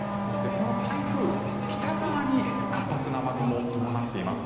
この台風、北側に活発な雨雲を伴っています。